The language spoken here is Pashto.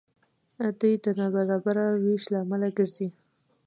دوی د نابرابره وېش لامل ګرځي.